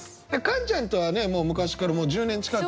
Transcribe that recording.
カンちゃんとはねもう昔からもう１０年近く。